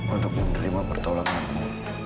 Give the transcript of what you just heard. untuk menerima pertolonganmu